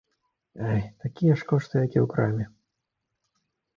Ай, такія ж кошты, як і ў краме!